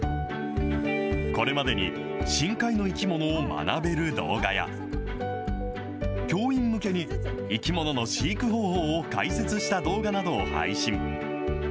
これまでに、深海の生き物を学べる動画や、教員向けに、生き物の飼育方法を解説した動画などを配信。